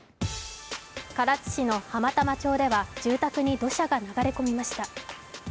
唐津市の浜玉町では住宅に土砂が流れ込みました。